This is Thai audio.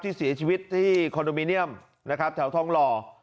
ที่เสียชีวิตที่คอนโดมิเนียมนะครับแถวทองหล่อ